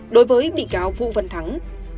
đối với bị cáo vũ văn thắng